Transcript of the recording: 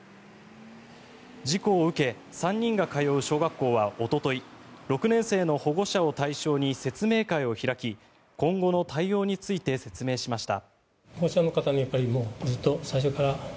事故を受け、３人が通う小学校はおととい６年生の保護者を対象に説明会を開き今後の対応について説明しました。